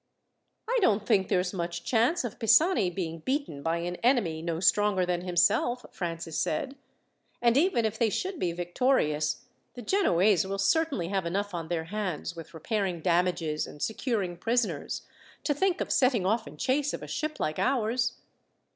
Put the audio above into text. "I don't think there's much chance of Pisani being beaten by an enemy no stronger than himself," Francis said; "and even if they should be victorious, the Genoese will certainly have enough on their hands, with repairing damages and securing prisoners, to think of setting off in chase of a ship like ours."